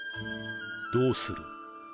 どうする？